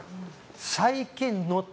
最近乗って。